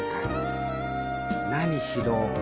何しろ